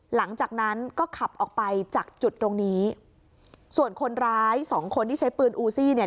หลังจากนั้นก็ขับออกไปจากจุดตรงนี้ส่วนคนร้ายสองคนที่ใช้ปืนอูซี่เนี่ย